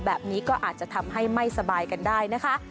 แบบนี้ก็อาจจะทำให้ไม่สบายกันได้นะคะ